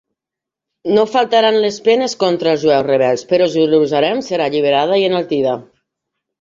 No faltaran les penes contra els jueus rebels, però Jerusalem serà alliberada i enaltida.